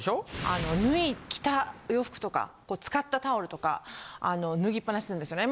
あの着た洋服とか使ったタオルとか脱ぎっぱなしにするんですよね。